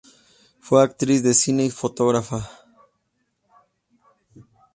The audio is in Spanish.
Fue actriz de cine y fotógrafa.